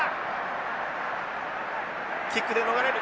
キックで逃れる。